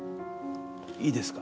いいですか？